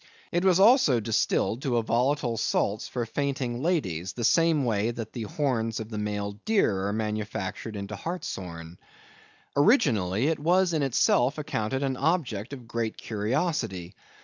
It was also distilled to a volatile salts for fainting ladies, the same way that the horns of the male deer are manufactured into hartshorn. Originally it was in itself accounted an object of great curiosity.